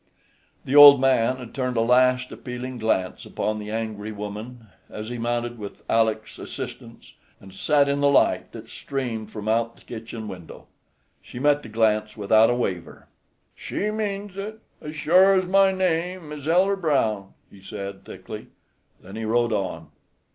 The old man had turned a last appealing glance upon the angry woman, as he mounted with Aleck's assistance, and sat in the light that streamed from out the kitchen window. She met the glance without a waver. "She means it, as sure as my name is Elder Brown," he said, thickly. Then he rode on.